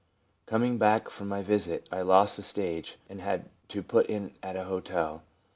Coming back from my visit, I lost the stage, and had to put in at a hotel.